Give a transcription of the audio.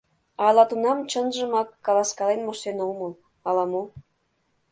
Ала тунам чынжымак каласкален моштен омыл, ала мо...